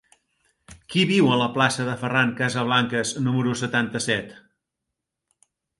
Qui viu a la plaça de Ferran Casablancas número setanta-set?